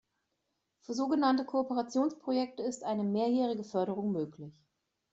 Für sogenannte Kooperationsprojekte ist eine mehrjährige Förderung möglich.